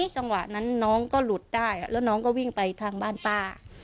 จังหวะนั้นน้องก็หลุดได้แล้วน้องก็วิ่งไปทางบ้านป้า